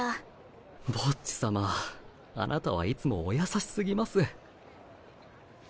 ボッジ様あなたはいつもお優しすぎます。